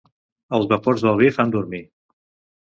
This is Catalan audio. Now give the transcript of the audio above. Els vapors del vi fan dormir.